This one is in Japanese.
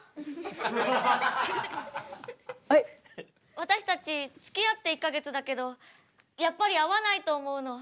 私たちつきあって１か月だけどやっぱり合わないと思うの。